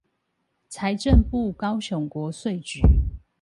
財政部高雄國稅局